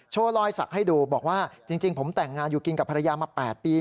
รอยสักให้ดูบอกว่าจริงผมแต่งงานอยู่กินกับภรรยามา๘ปี